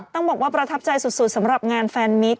ต้องบอกว่าประทับใจสุดสำหรับงานแฟนมิค